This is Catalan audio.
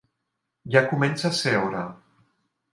Ja comença a ser hora